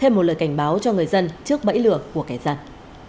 thêm một lời cảnh báo cho người dân trước bẫy lửa của kẻ dân